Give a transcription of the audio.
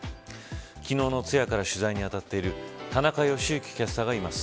昨日の通夜から取材に当たっている田中良幸キャスターがいます。